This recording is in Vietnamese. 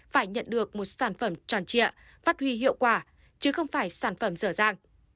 phải nhận được một sản phẩm tròn trịa phát huy hiệu quả chứ không phải sản phẩm dở dàng